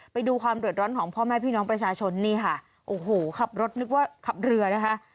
ไปดูความเดือดร้อนของพ่อแม่พี่น้องประชาชนนี่ค่ะโอ้โหขับรถนึกว่าขับเรือนะคะ